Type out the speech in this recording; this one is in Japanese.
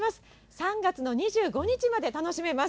３月の２５日まで楽しめます。